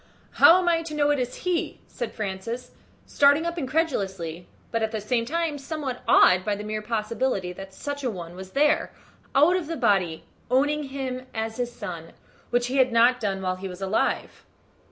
"How am I to know it is he?" said Francis, starting up incredulously, but at the same time somewhat awed by the mere possibility that such a one was there, out of the body, owning him as his son, which he had not done while he was alive.